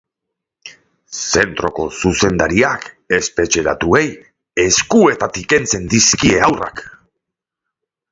Zentroko zuzendariak espetxeratuei eskuetatik kentzen dizkie haurrak.